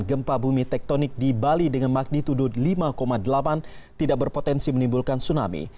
gempa bumi tektonik di bali dengan magnitudo lima delapan tidak berpotensi menimbulkan tsunami